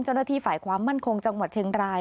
เจ้าหน้าที่ฝ่ายความมั่นคงจังหวัดเชียงราย